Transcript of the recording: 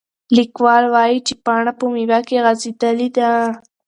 لیکوال وایي چې پاڼه په میوه کې غځېدلې ده.